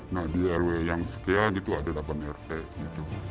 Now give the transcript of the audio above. nah di rw yang sekian itu ada delapan rt gitu